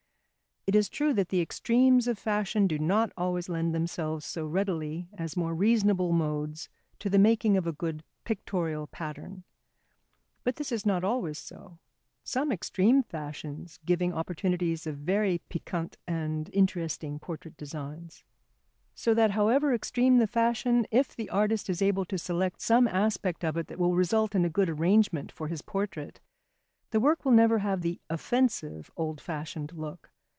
It is true that the extremes of fashion do not always lend themselves so readily as more reasonable modes to the making of a good pictorial pattern. But this is not always so, some extreme fashions giving opportunities of very piquant and interesting portrait designs. So that, however extreme the fashion, if the artist is able to select some aspect of it that will result in a good arrangement for his portrait, the work will never have the offensive old fashioned look.